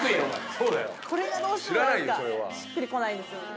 それはこれがどうしても何かしっくりこないんですよね